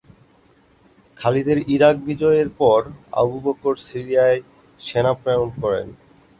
খালিদের ইরাক বিজয়ের পর আবু বকর সিরিয়ায় সেনা প্রেরণ করেন।